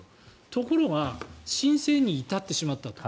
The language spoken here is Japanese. ところが申請に至ってしまったと。